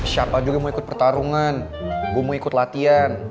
siapa juga yang mau ikut pertarungan gue mau ikut latihan